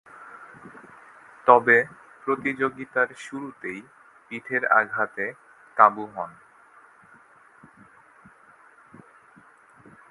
তবে, প্রতিযোগিতার শুরুতেই পিঠের আঘাতে কাবু হন।